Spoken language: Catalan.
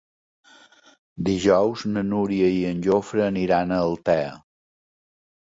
Dijous na Núria i en Jofre aniran a Altea.